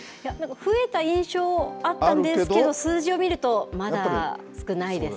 増えた印象、あったんですけど数字を見るとまだ少ないですよね。